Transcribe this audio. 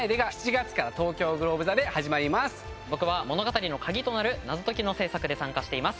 僕は物語の鍵となる謎解きの制作で参加しています。